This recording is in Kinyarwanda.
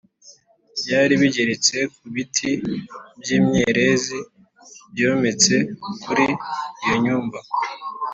byari bigeretswe ku biti by’imyerezi byometse kuri iyo nyumba